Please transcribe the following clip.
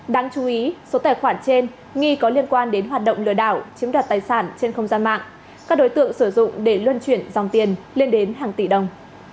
đáng chú ý số tài khoản trên nghi có liên quan đến hoạt động lừa đảo chiếm đoạt tài sản trên không gian mạng các đối tượng sử dụng để luân chuyển dòng tiền lên đến hàng tỷ đồng